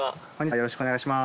よろしくお願いします。